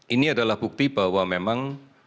ini adalah bukti bahwa memang